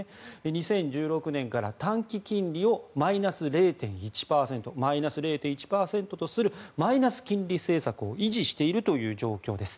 ２０１６年から短期金利をマイナス０．１％マイナス０．１とするマイナス金利政策を維持しているという状況です。